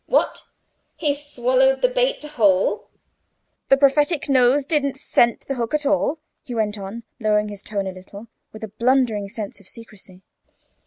What! he swallowed the bait whole? The prophetic nose didn't scent the hook at all?" he went on, lowering his tone a little, with a blundering sense of secrecy.